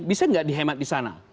bisa nggak dihemat di sana